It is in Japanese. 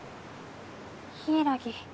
柊。